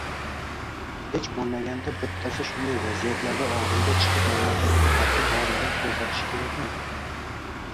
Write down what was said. Hech bo‘lmaganda bittasi shunday vaziyatlarda oldinga chiqib mamlakatda tartib borligini ko‘rsatishi kerakmi?